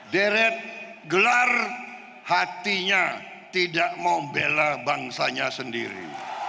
deret gelar hatinya tidak mau bela bangsanya sendiri